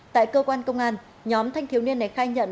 tại cơ quan công an nhóm thanh thiếu niên này khai nhận